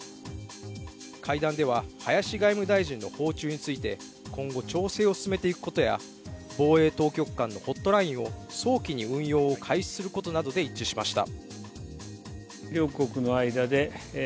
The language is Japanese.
会談では、林外務大臣の訪中について今後調整を進めていくことや防衛当局間のホットラインを早期に運用を開始することなどで一致しました。